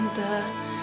enggak ada apa apa mbak